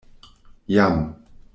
Jam.